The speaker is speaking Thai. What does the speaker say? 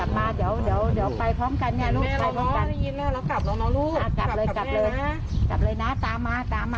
ไปหยุดนะ